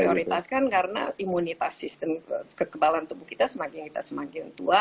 prioritas kan karena imunitas sistem kekebalan tubuh kita semakin kita semakin tua